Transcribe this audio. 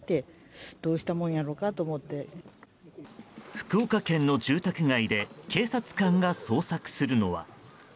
福岡県の住宅街で警察官が捜索するのは。